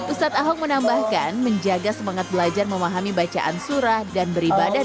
ustadz ahok menambahkan menjaga semangat belajar memahami bacaan surah dan beribadah